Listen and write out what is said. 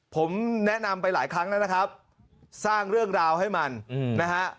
ผมแนะนำไปหลายครั้งแล้วนะครับสร้างเรื่องราวให้มันนะฮะ